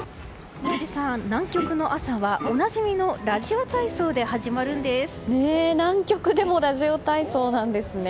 宮司さん、南極の朝はおなじみのラジオ体操で南極でもラジオ体操なんですね。